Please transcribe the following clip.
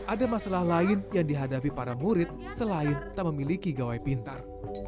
ada masalah lain yang dihadapi para murid selain tak memiliki gawai pintar